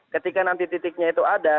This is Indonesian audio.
ketika nanti titiknya itu ada